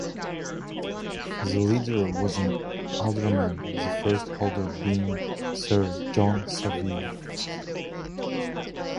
The leader was an alderman, the first holder being Sir John Savile.